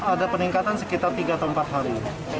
ada peningkatan sekitar tiga atau empat hari